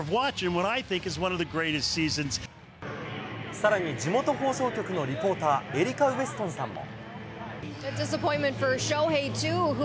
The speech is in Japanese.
さらに、地元放送局のリポーター、エリカ・ウエストンさんも。